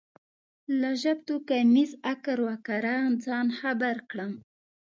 له ژبتوکمیز اکر و کره ځان خبر کړم.